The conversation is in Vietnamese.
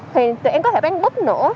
thì tụi em có thể bán búp nữa